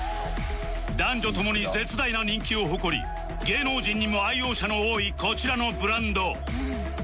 男女ともに絶大な人気を誇り芸能人にも愛用者の多いこちらのブランド